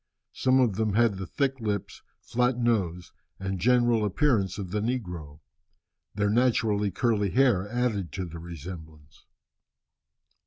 Some of them had the thick lips, flat nose, and general appearance of the negro. Their naturally curly hair added to the resemblance.